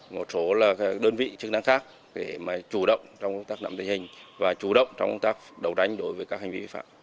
một số đơn vị chức năng khác để mà chủ động trong công tác nắm tình hình và chủ động trong công tác đấu tranh đối với các hành vi vi phạm